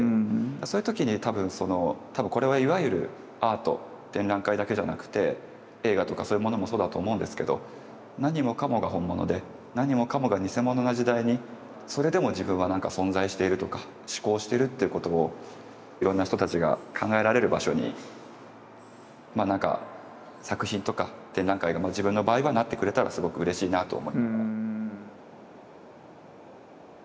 そういう時に多分その多分これはいわゆるアート展覧会だけじゃなくて映画とかそういうものもそうだと思うんですけど何もかもが本物で何もかもが偽物な時代にそれでも自分は存在しているとか思考してるってことをいろんな人たちが考えられる場所にまあなんか作品とか展覧会が自分の場合はなってくれたらすごくうれしいなと思ってます。